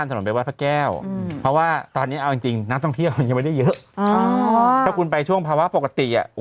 ถ้าคุณไปช่วงภาวะปกติ